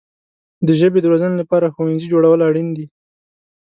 د ژبې د روزنې لپاره ښوونځي جوړول اړین دي.